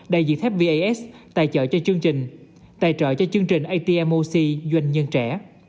đại diện thép vas tài trợ cho chương trình tài trợ cho chương trình atm oxy doanh nhân trẻ